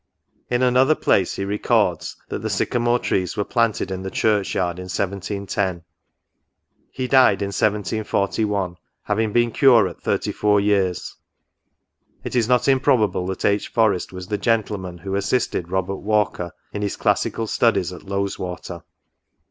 In another place he records, that the sycamore trees were planted in the church yard in 1710. He died in 1741, having been curate thirty four years. It is not improbable that H. Forest was the gentleman who assisted Robert Walker in his classical studies at Lowes water.